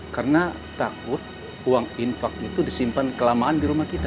karena takut uang infak itu disimpan kelamaan di rumah kita